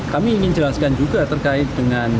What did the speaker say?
kami ingin jelaskan juga terkait dengan